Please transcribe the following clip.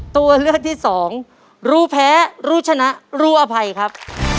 ตัวเลือกที่สองรู้แพ้รู้ชนะรู้อภัยครับ